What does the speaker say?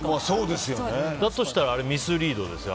だとしたらミスリードですよ。